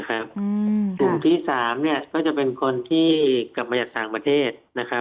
กลุ่มที่๓ก็จะเป็นคนที่กลับมาจากต่างประเทศ